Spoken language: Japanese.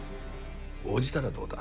応じたらどうだ？